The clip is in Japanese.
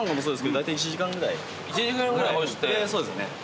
そうですね。